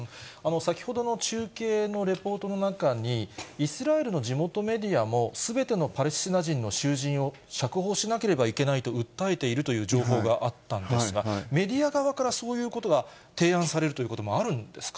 先ほどの中継のレポートの中に、イスラエルの地元メディアも、すべてのパレスチナ人の囚人を釈放しなければいけないと訴えているという情報があったんですが、メディア側からそういうことが提案されるということもあるんですか？